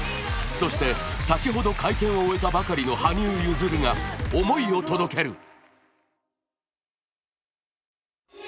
そして、先ほど会見を終えたばかりの羽生結弦が思いを届ける。